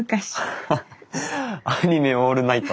ハハッアニメオールナイト。